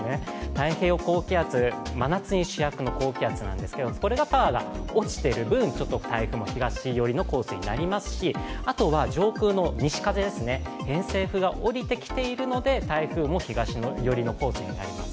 太平洋高気圧、真夏に主役の高気圧なんですが、これがパワーが落ちている分台風も東寄りの進路になりますしあとは上空の西風、偏西風が下りてきているので、台風も東寄りのコースになります。